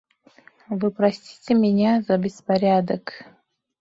Вы простите меня за беспорядок.